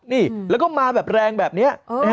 นี่แล้วก็มาแบบแรงแบบนี้